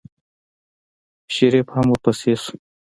شريف هم ورپسې شو.